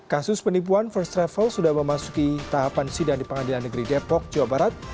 kasus penipuan first travel sudah memasuki tahapan sidang di pengadilan negeri depok jawa barat